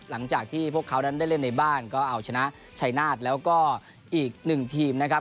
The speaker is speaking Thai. หลังจากที่พวกเขานั้นได้เล่นในบ้านก็เอาชนะชัยนาฏแล้วก็อีกหนึ่งทีมนะครับ